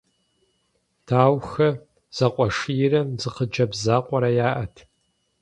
Даухэ зэкъуэшийрэ зы хъыджэбз закъуэрэ яӏэт.